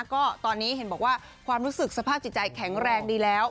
ก็ตอนนี้เห็นบอกว่าความรู้สึกสภาพจิตใจแข็งแรงดีแล้ว